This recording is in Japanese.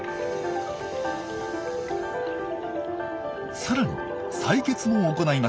さらに採血も行います。